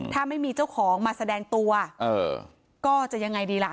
ถ้าไม่มีเจ้าของมาแสดงตัวก็จะยังไงดีล่ะ